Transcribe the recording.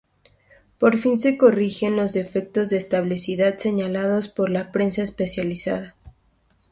Por fin se corrigen los defectos de estabilidad señalados por la prensa especializada.